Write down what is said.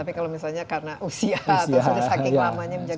tapi kalau misalnya karena usia atau sudah saking lamanya menjadi